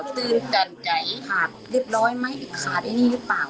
ตื่นตันใจขาดเรียบร้อยไหมหรือขาดไอ้นี่หรือเปล่า